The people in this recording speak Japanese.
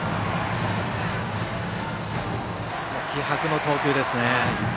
気迫の投球ですね。